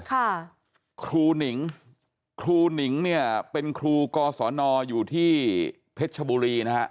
ครูหนิงครูหนิงเนี่ยเป็นครูกศนอยู่ที่เพชรชบุรีนะฮะ